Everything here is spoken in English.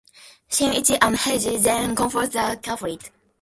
Shinichi and Heiji then confront the culprit.